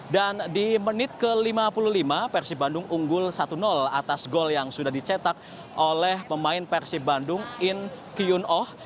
dan di menit ke lima puluh lima persib bandung unggul satu atas gol yang sudah dicetak oleh pemain persib bandung in kiyun oh